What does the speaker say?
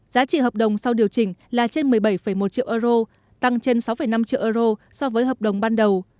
giá trị hợp đồng sau điều chỉnh là trên một mươi bảy một triệu euro tăng trên sáu năm triệu euro so với hợp đồng ban đầu